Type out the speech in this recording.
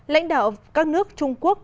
lãnh đạo các nước trung quốc